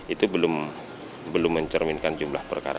itu belum mencerminkan jumlah perkara